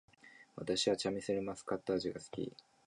私はチャミスルマスカット味が好き